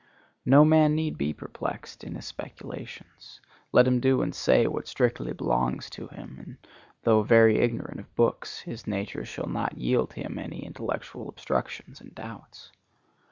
No man need be perplexed in his speculations. Let him do and say what strictly belongs to him, and though very ignorant of books, his nature shall not yield him any intellectual obstructions and doubts.